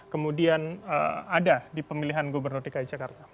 kemudian ada di pemilihan gubernur dki jakarta